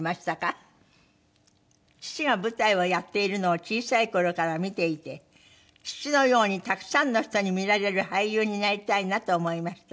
「父が舞台をやっているのを小さい頃から見ていて父のようにたくさんの人に見られる俳優になりたいなと思いました」